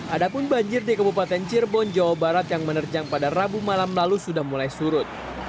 adapun banjir di kabupaten cirebon jawa barat yang menerjang pada rabu malam lalu sudah mulai surut